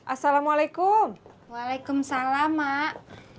asalmu'alaikum waalaikumsalam mak